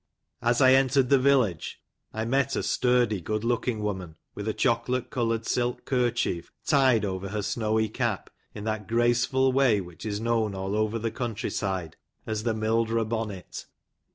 As I entered the village, I met a sturdy, good looking woman, with a chocolate coloured silk kerchief tied over her snowy cap, in that graceful way which is known all over the country side as the " Mildro Bonnet."'